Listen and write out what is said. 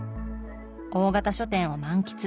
大型書店を満喫